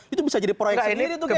itu bisa jadi proyek sendiri itu kan